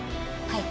はい。